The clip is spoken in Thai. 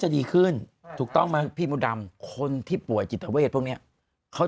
ดีขึ้นถูกต้องไหมพี่มดดำคนที่ป่วยจิตเวทพวกเนี้ยเขา